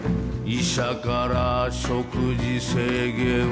「医者から食事制限を」